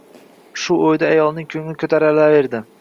Shu oʻyda ayolning koʻngli koʻtarilaverdi…